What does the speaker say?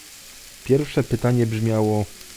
Pierwsze pytanie brzmiało